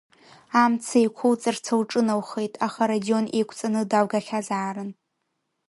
Амца еиқәылҵарц лҿыналхеит, аха Радион еиқәҵаны далгахьазаарын.